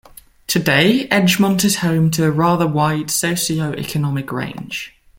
Today, Edgmont is home to a rather wide socioeconomic range.